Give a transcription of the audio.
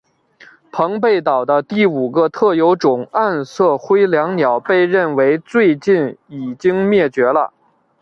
澎贝岛的第五个特有种暗色辉椋鸟被认为最近已经灭绝了。